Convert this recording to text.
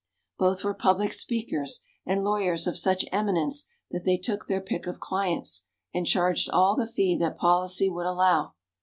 Both were public speakers and lawyers of such eminence that they took their pick of clients and charged all the fee that policy would allow.